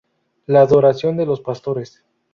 La Adoración de los Pastores.